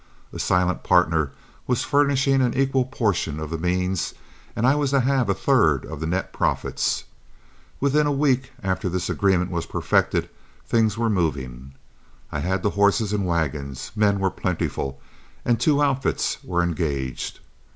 A silent partner was furnishing an equal portion of the means, and I was to have a third of the net profits. Within a week after this agreement was perfected, things were moving. I had the horses and wagons, men were plentiful, and two outfits were engaged.